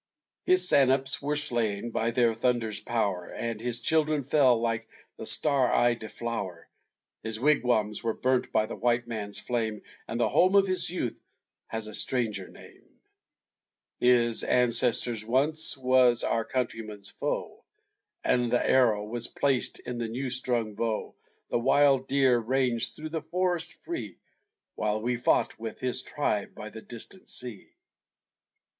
His sannops were slain by their thunder's power, And his children fell like the star eyed flower; His wigwams were burnt by the white man's flame, And the home of his youth has a stranger name His ancestor once was our countryman's foe, And the arrow was plac'd in the new strung bow, The wild deer ranged through the forest free, While we fought with his tribe by the distant sea.